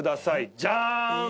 ジャーン！